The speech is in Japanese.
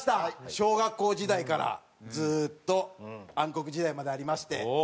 小学校時代からずっと暗黒時代までありまして。